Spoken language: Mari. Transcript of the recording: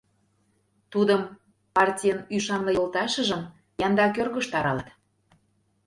Тудым, партийын ӱшанле йолташыжым, янда кӧргыштӧ аралат...